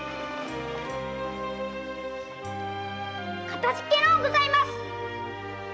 かたじけのうございます。